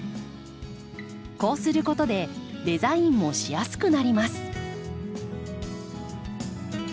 こうすることでデザインもしやすくなります。